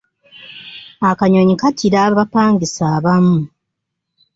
Akanyonyi kakira abapangisa abamu.